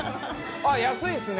ああ安いですね。